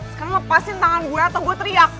sekarang lepasin tangan gue atau gue teriak